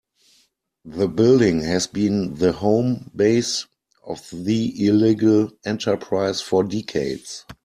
The building has been the home base of the illegal enterprise for decades.